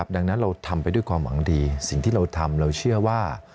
ดังนั้นเราทำไปด้วยความหวังดีสิ่งที่เราทำเราเชื่อว่า